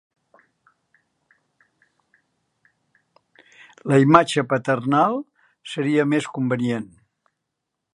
La imatge paternal seria més convenient.